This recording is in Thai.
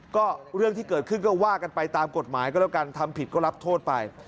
ก็เรื่องที่เกิดขึ้นก็ว่ากันไปตามกฎหมายก็แล้วกันทำผิดก็รับโทษไป